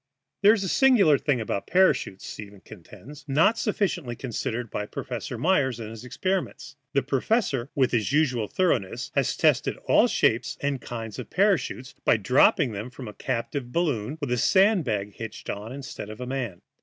There is a singular thing about parachutes, Stevens contends, not sufficiently considered by Professor Myers in his experiments. The professor, with his usual thoroughness, has tested all shapes and kinds of parachutes by dropping them from a captive balloon with a sand bag hitched on instead of a man.